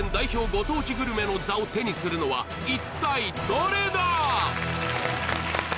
ご当地グルメの座を手にするのは一体どれだ！？